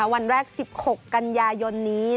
วันแรก๑๖กันยายนนี้